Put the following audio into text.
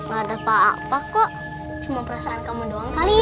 gak ada apa apa kok cuma perasaan kamu doang kali